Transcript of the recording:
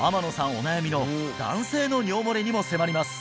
お悩みの男性の尿もれにも迫ります！